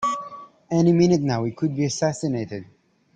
Any minute now we could be assassinated!